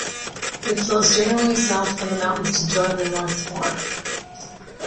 It flows generally south from the mountains to join the North Fork.